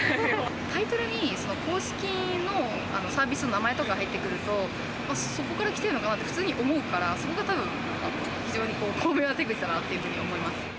タイトルに公式のサービスの名前とか入ってくると、そこから来てるのかなって、普通に思うから、そこがたぶん非常に巧妙な手口だなっていうふうに思います。